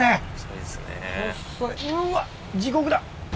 うわ地獄だ！